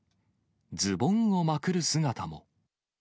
ズボンをまくる姿も。